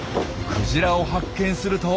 クジラを発見すると。